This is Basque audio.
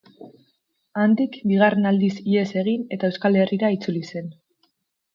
Handik, bigarren aldiz ihes egin eta Euskal Herrira itzuli zen.